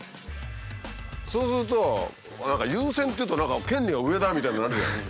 そうすると「優先」っていうと何か権利が上だみたいになるじゃない。